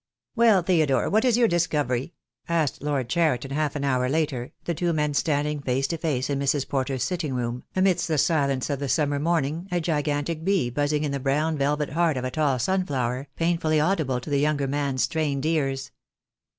"Well, Theodore, what is your discovery?" asked Lord Cheriton half an hour later, the two men standing face to face in Mrs. Porter's sitting room, amidst the silence of the summer morning, a gigantic bee buzzing in the brown velvet heart of a tall sunflower, painfully audible to the younger man's strained ears.